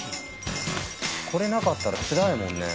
これなかったらつらいもんね。